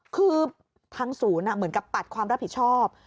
คือทางศูนย์เหมือนกับปัดความรับผิดชอบ